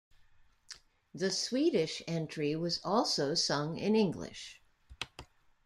The Swedish entry was also sung in English.